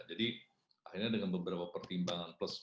jadi akhirnya dengan beberapa pertimbangan plus plus